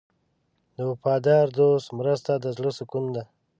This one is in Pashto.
د وفادار دوست مرسته د زړه سکون ده.